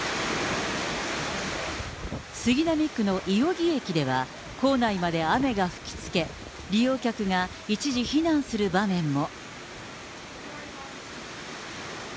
杉並区の井荻駅では、構内まで雨が吹きつけ、利用客が一時避難する場面も。